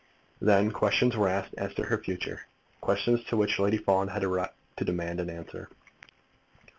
Then questions were asked as to the future, questions to which Lady Fawn had a right to demand an answer.